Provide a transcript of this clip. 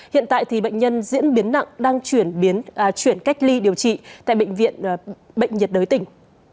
hiện tại thì bệnh nhân diễn biến nặng đang chuyển cách ly điều trị tại bệnh viện bệnh nhiệt đới tỉnh